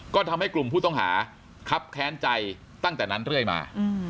ก็ทำให้กลุ่มผู้ต้องหาครับแค้นใจตั้งแต่นั้นเรื่อยมา